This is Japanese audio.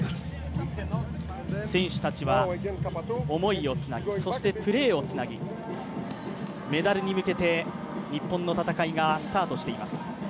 選手たちは思いをつなぐ、そしてプレーをつなぎ、メダルに向けて日本の戦いがスタートしています。